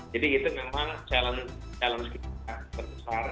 jadi itu memang challenge kita terbesar